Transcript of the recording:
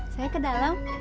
saya ke dalam